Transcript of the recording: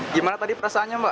gimana tadi perasaannya mbak